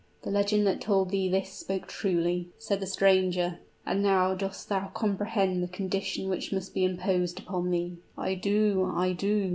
"The legend that told thee this spoke truly," said the stranger. "And now dost thou comprehend the condition which must be imposed upon thee?" "I do I do!"